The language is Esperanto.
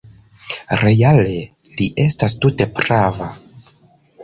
Reale li estas tute prava.